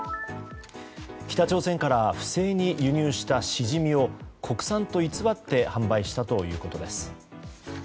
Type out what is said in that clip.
北朝鮮から不正に輸入したシジミを国産と偽って販売したということです。